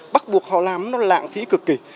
bắt buộc họ làm nó lạng phí cực kì